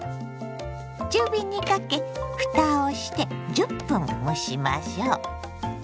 中火にかけふたをして１０分蒸しましょ。